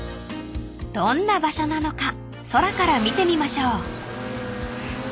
［どんな場所なのか空から見てみましょう］